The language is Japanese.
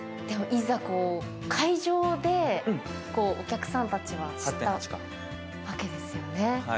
でも、いざ会場で、お客さんたちは知ったわけですよね。